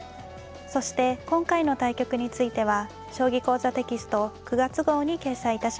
そして今回の対局については「将棋講座」テキスト９月号に掲載致します。